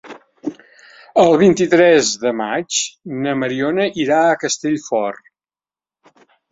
El vint-i-tres de maig na Mariona irà a Castellfort.